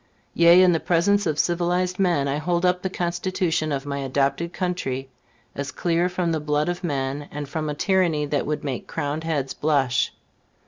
Yea, in the presence of civilized man, I hold up the Constitution of my adopted country as clear from the blood of men, and from a tyranny that would make crowned heads blush.